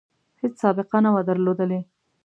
هیڅ سابقه نه وه درلودلې.